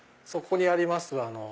そこにあります